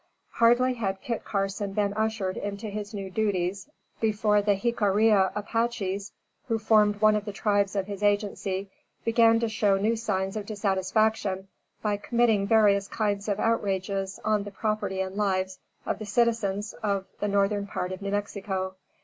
Hardly had Kit Carson been ushered into his new duties before the Jiccarilla Apaches, who formed one of the tribes of his agency, began to show new signs of dissatisfaction by committing various kinds of outrages on the property and lives of the citizens of the northern part of New Mexico.